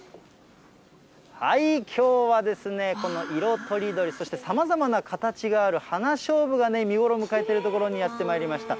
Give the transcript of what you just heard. きょうはですね、この色とりどり、そしてさまざまな形がある花しょうぶが見頃を迎えている所にやってまいりました。